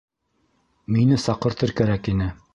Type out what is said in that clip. Мине саҡыртыр кәрәк ине!